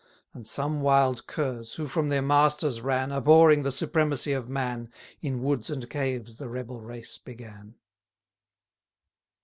And some wild curs, who from their masters ran, Abhorring the supremacy of man, In woods and caves the rebel race began.